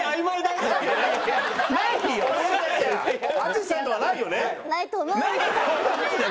淳さんとはないよね？